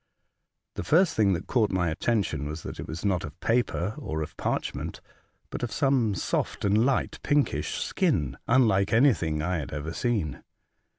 The first thing that caught my attention was that it was not of paper or of parch ment, but of some soft and light pinkish skin, unlike anything that I had ever seen.